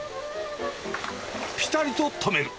ぴたりと止める。